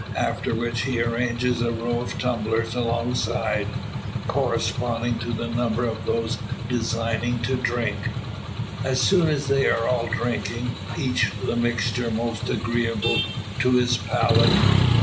After which he arranges a row of tumblers alongside, corresponding to the number of those designing to drink. And soon they are all drinking; each the mixture most agreeable to his palate.